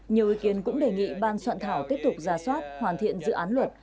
nhiều ý kiến cũng đề nghị ban soạn thảo tiếp tục ra soát hoàn thiện dự án luật